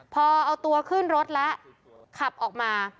พอเอาตัวขึ้นรถแล้วขับออกมา